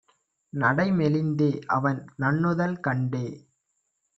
நடைமெலிந் தேஅவன் நண்ணுதல் கண்டே